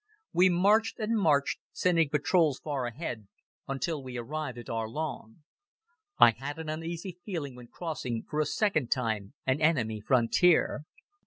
We marched and marched, sending patrols far ahead, until we arrived at Arlon. I had an uneasy feeling when crossing, for a second time, an enemy frontier.